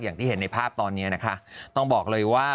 อย่างที่เห็นในภาพตอนนี้นะคะต้องบอกเลยว่า